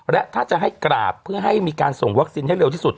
และถ้าจะให้กราบเพื่อให้มีการส่งวัคซีนให้เร็วที่สุด